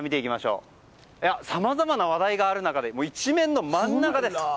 さまざまな話題がある中で１面の真ん中です。